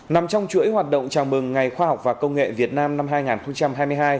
nằm trong chuỗi hoạt động chào mừng ngày khoa học và công nghệ việt nam năm hai nghìn hai mươi hai